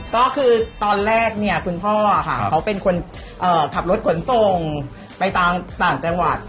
ก็คือตอนแรกเนี่ยคุณพ่อค่ะเขาเป็นคนขับรถขนส่งไปตามต่างจังหวัด